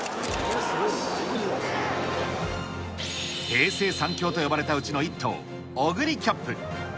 平成３強と呼ばれたうちの１頭、オグリキャップ。